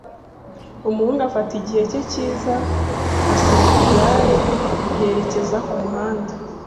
Umuhungu afata igihe cye cyiza asunika igare yerekeza kumuhanda.